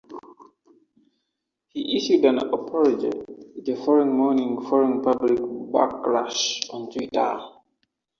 He issued an apology the following morning following public backlash on Twitter.